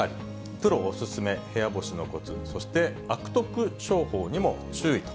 プロお勧め、部屋干しのコツ、そして悪徳商法にも注意と。